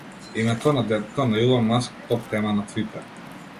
Името на детето на Илон Маск топ тема на Твитер